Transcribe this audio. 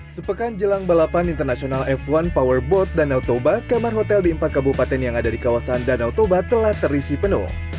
sepekan jelang balapan internasional f satu powerboat danau toba kamar hotel di empat kabupaten yang ada di kawasan danau toba telah terisi penuh